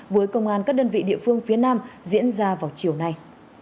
với công an các đơn vị địa phương phía nam diễn ra vào chiều nay